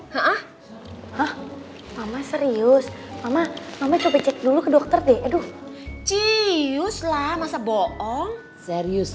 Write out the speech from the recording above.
ha ah ah mama serius mama mama coba cek dulu ke dokter deh aduh cius lah masa bohong serius